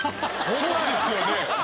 そうなんですよね。